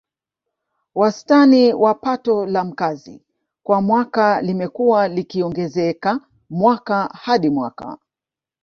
Wastani wa Pato la Mkazi kwa mwaka limekuwa likiongezeka mwaka hadi mwaka